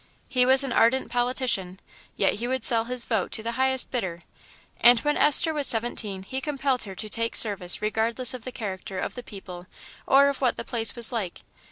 He was an ardent politician, yet he would sell his vote to the highest bidder, and when Esther was seventeen he compelled her to take service regardless of the character of the people or of what the place was like.